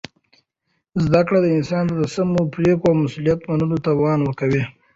زده کړه انسان ته د سمو پرېکړو او مسؤلیت منلو توان ورکوي.